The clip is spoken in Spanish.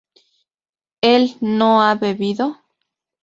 ¿él no ha bebido?